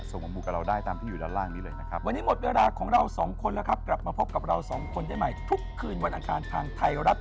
ส่งมามูลกับเราได้ตามที่อยู่ด้านล่างนี้เลยนะครับ